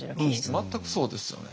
全くそうですよね。